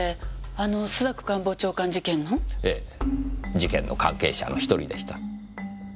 事件の関係者の１人でした。